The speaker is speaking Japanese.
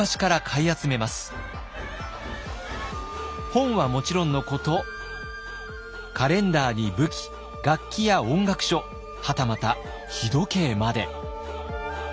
本はもちろんのことカレンダーに武器楽器や音楽書はたまた日時計まで。